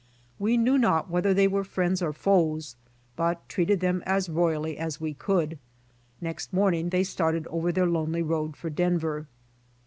We knew not whether they were friends or foes, but treated them as royally as we could. Next morning they started over their lonely road for Denver.